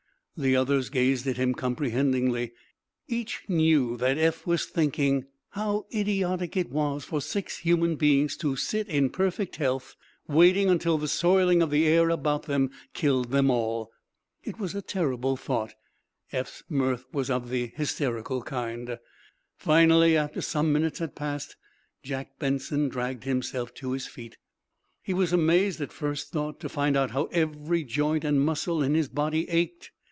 The others gazed at him, comprehendingly. Each knew that Eph was thinking how idiotic it was for six human beings to sit, in perfect health, waiting until the soiling of the air about them killed them all. It was a terrible thought; Eph's mirth was of the hysterical kind. Finally, after some minutes had passed, Jack Benson dragged himself to his feet. He was amazed, at first thought, to find out how every joint and muscle in his body ached.